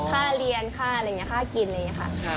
ค่าเรียนค่าอะไรอย่างนี้ค่ากินอะไรอย่างนี้ค่ะ